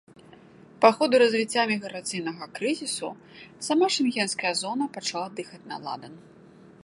Па ходу развіцця міграцыйнага крызісу сама шэнгенская зона пачала дыхаць на ладан.